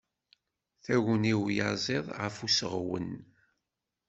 Taguni uyaziḍ af useɣwen.